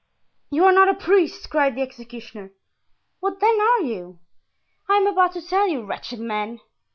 "You are not a priest!" cried the executioner. "What, then, are you?" "I am about to tell you, wretched man."